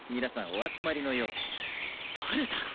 お集まりのようでバルタ！